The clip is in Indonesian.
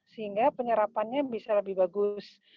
sehingga penyerapannya bisa lebih bagus